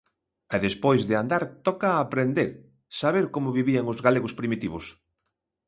E despois de andar toca aprender, saber como vivían os galegos primitivos.